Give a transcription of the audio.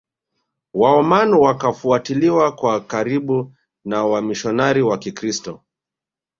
waoman wakafuatiliwa kwa karibu na wamishionari wa kikristo